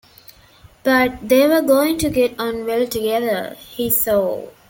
But they were going to get on well together, he saw.